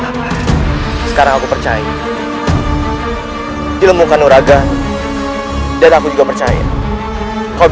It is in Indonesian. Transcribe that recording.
assalamualaikum warahmatullahi wabarakatuh